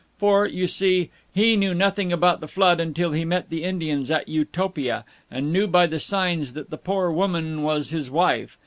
For, you see, he knew nothing about the flood until he met the Indians at Utopia, and knew by the signs that the poor woman was his wife.